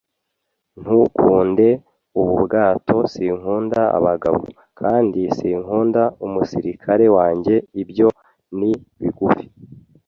ntukunde ubu bwato; Sinkunda abagabo; kandi sinkunda umusirikare wanjye. Ibyo ni bigufi